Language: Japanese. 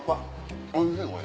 おいしいこれ。